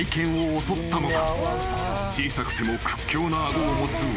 ［小さくても屈強な顎を持つワニ］